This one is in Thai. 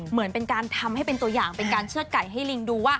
เหมือนเป็นการทำให้เป็นตัวอย่างเป็นการเชื่อดไก่ให้ลิงดูว่า